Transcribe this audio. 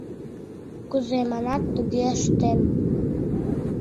Кузе манат, туге ыштем!